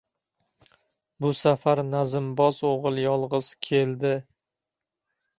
Bu safar nazmboz o‘g‘il yolg‘iz keldi.